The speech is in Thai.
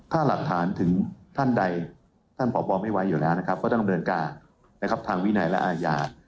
ถ้าหลักฐานถึงท่านใดท่านผอบอไม่ไว้อยู่แล้วนะครับก็ต้องเดินการนะครับทางวินัยและอาญา